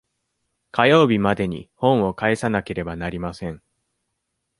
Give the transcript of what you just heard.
火曜日までに本を返さなければなりません。